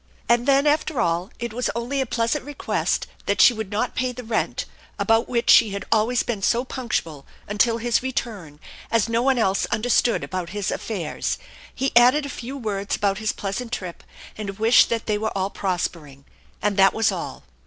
And then, after all, it was only a pleasant request that she would not pay the rent, about which she had always been so punctual, until his return, as no one else understood about his affairs. He added A few words about his pleasant trip and a wish that they were all prospering, and that was all.